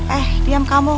eh diam kamu